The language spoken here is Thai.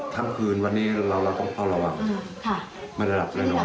ทั้งคืนวันนี้เราเราต้องเข้าระวังอืมค่ะไม่ได้หลับไม่ได้นอน